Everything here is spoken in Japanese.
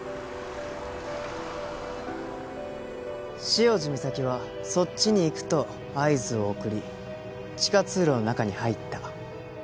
潮路岬は「そっちに行く」と合図を送り地下通路の中に入った。